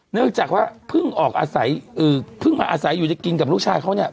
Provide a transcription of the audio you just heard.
เนื่องจากว่าเพิ่งออกอาศัยเพิ่งมาอาศัยอยู่จะกินกับลูกชายเขาเนี่ย